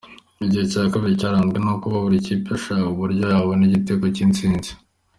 Igice cya kabiri cyaranzwe no kuba buri kipe yashakaga uburyo yabona igitego cy’intsinzi.